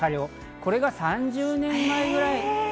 これが３０年前ぐらい。